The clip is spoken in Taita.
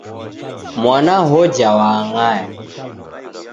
Mwana hoja waangaya.